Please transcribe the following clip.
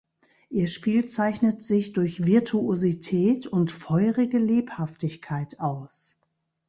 Ihr Spiel zeichnet sich durch Virtuosität und feurige Lebhaftigkeit aus.